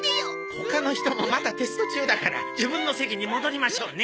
他の人もまだテスト中だから自分の席に戻りましょうね。